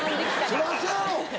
そらせやろ。